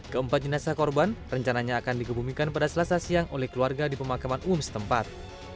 keempat jenazah korban rencananya akan dikebumikan pada selasa siang oleh keluarga di pemakaman umum setempat